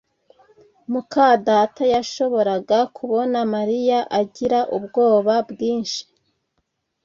muka data yashoboraga kubona Mariya agira ubwoba bwinshi